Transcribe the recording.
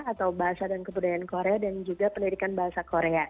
atau bahasa dan kebudayaan korea dan juga pendidikan bahasa korea